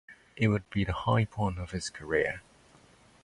It would be the high point of his career.